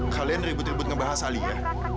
kalian ribut ribut ngebahas ali ya